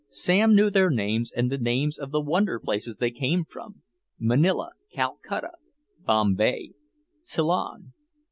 Sam knew their names and the names of the wonder places they came from Manila, Calcutta, Bombay, Ceylon.